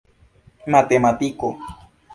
matematiko